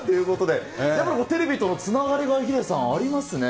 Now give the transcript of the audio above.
でもテレビとのつながりがヒデさん、ありますね。